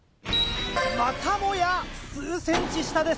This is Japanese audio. またもや数ｃｍ下です。